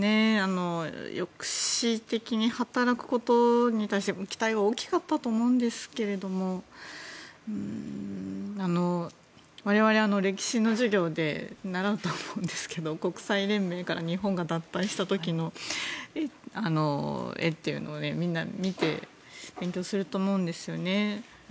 抑止的に働くことに対して期待は大きかったと思いますが我々、歴史の授業で習うと思うんですけど国際連盟から日本が脱退した時の絵というのをみんな見て勉強すると思うんですよね。